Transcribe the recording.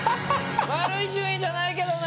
悪い順位じゃないけどね。